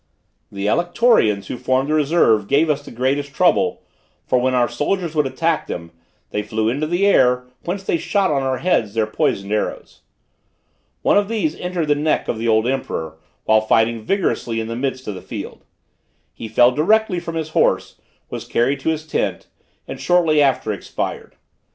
The Alectorians, who formed the reserve, gave us the greatest trouble, for when our soldiers would attack them, they flew into the air, whence they shot on our heads their poisoned arrows. One of these entered the neck of the old emperor, while fighting vigorously in the midst of the field. He fell directly from his horse, was carried to his tent, and shortly after expired.